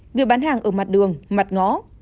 người bán hàng ở mặt đường mặt ngõ